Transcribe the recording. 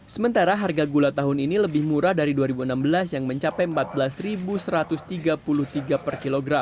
sementara harga gula tahun ini lebih murah dari dua ribu enam belas yang mencapai rp empat belas satu ratus tiga puluh tiga per kilogram